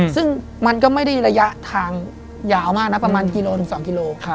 ซึ่งมันก็ไม่ได้ระยะทางยาวมากนะประมาณกิโลถึง๒กิโล